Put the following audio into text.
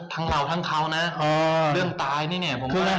ทั้งเราทั้งเขานะเรื่องตายนี่เนี่ยผมว่า